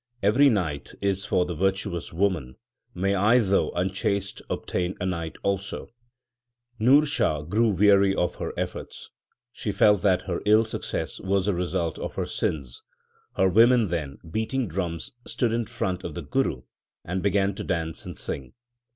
Every night is for the virtuous woman ; may I though unchaste obtain a night also ! 1 Nurshah grew weary of her efforts. She felt that her ill success was the result of her sins. Her women then, beating drums, stood in front of the Guru, and began to dance and sing.